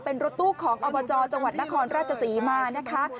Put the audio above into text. เป็นรถตู้ของอบจจังหวัดนครราชศรีมานะคะ